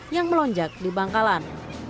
yang melonjak di bangkalan